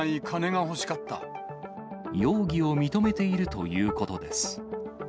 容疑を認めているということ